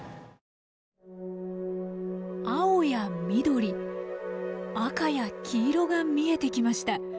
青や緑赤や黄色が見えてきました。